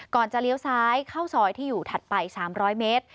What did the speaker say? จะเลี้ยวซ้ายเข้าซอยที่อยู่ถัดไป๓๐๐เมตร